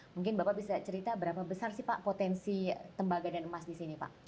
mungkin bapak bisa cerita berapa besar sih pak potensi tembaga dan emas di sini pak